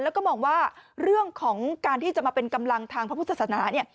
แล้วก็มองว่าเรื่องของการที่จะมาเป็นกำลังทางพระพุทธศาสนาเนี่ย